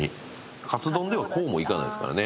かつ丼ではこうもいかないですからね。